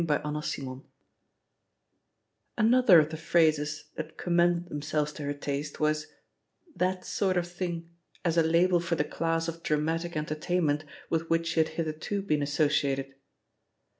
CHAPTER VI Anothee of the phrases that commended themselves to her taste was, "That sort of thing," as a label for the class of dramatic entertainment with which she had hitherto been associated.